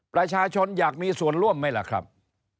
ประชาชนอยากมีส่วนร่วมไหมล่ะครับ